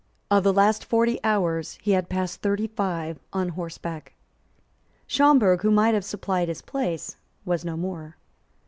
Of the last forty hours he had passed thirty five on horseback. Schomberg, who might have supplied his place, was no more.